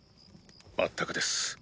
まったくです。